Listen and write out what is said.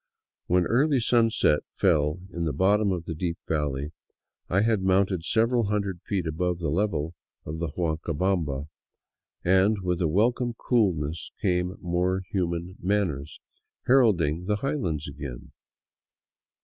When early sunset fell in the bottom of the deep valley, I had mounted several hundred feet above the level of the Huancabamba, and with a welcome coolness came more human manners, heralding the highlands again.